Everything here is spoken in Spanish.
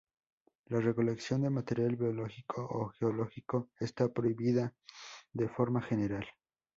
La recolección de material biológico o geológico, está prohibida de forma general.